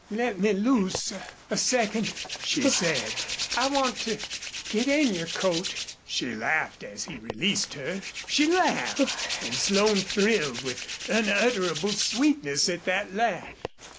"Let me loose a second," she said. "I want to get in your coat." She laughed as he released her. She laughed! And Slone thrilled with unutterable sweetness at that laugh.